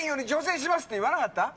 って言わなかった？